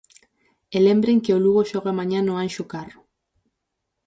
E lembren que o Lugo xoga mañá no Anxo Carro.